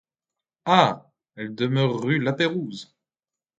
Ah! elle demeure rue La Pérouse.